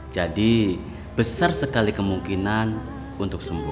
jadi besar sekali kemungkinan untuk sembuh